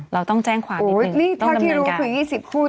เราต้องแจ้งขวานอีกนึง